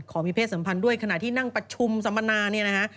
มีเพศสัมพันธ์ด้วยขณะที่นั่งประชุมสัมมนาเนี่ยนะฮะ